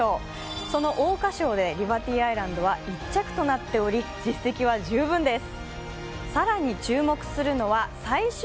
その桜花賞でリバティアイランドは１着となっており実績は十分です。